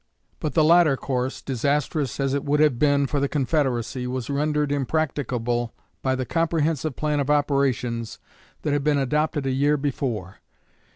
But the latter course, disastrous as it would have been for the Confederacy, was rendered impracticable by the comprehensive plan of operations that had been adopted a year before.